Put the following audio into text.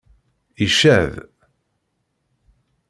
Icad!